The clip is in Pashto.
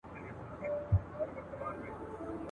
سي ..